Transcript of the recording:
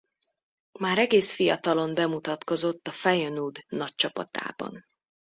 Már egész fiatalon bemutatkozott a Feyenoord nagycsapatában.